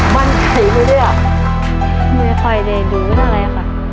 มั่นไก่ไหมเนี่ยไม่ค่อยได้ดูทั้งไรค่ะ